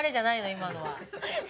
今のは。